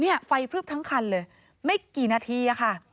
ไฟพลึบทั้งคันเลยไม่กี่นาทีค่ะ